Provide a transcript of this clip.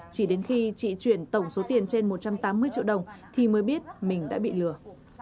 chỉ đến khi chị chuyển tổng số tiền trên một trăm tám mươi triệu đồng thì mới biết mình đã bị lừa